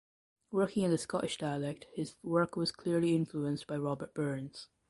Working in the Scottish dialect his work was clearly influenced by Robert Burns.